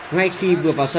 ngay khi vượt vào sân